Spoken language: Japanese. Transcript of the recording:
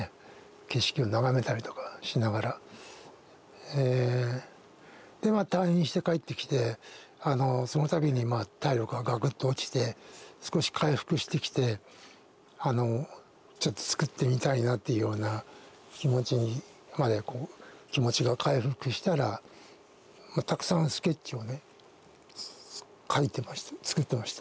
景色を眺めたりとかしながらえで退院して帰ってきてその度に体力がガクッと落ちて少し回復してきてちょっと作ってみたいなっていうような気持ちにまで気持ちが回復したらたくさんスケッチをね書いてました。